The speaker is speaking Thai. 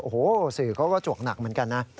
โอ้โหสื่อเขาก็จวกหนักเหมือนกันนะ